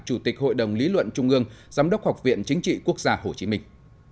chủ tịch hội đồng lý luận trung ương giám đốc học viện chính trị quốc gia hồ chí minh